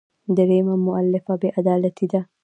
درېیمه مولفه بې عدالتي ده.